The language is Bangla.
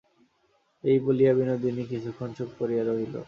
এই বলিয়া বিনোদিনী কিছুক্ষণ চুপ করিয়া রহিল।